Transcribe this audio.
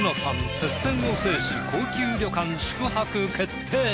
接戦を制し高級旅館宿泊決定！